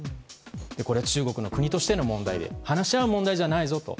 これは中国の国としての問題で話し合う問題じゃないぞと。